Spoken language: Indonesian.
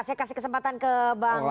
saya kasih kesempatan ke bang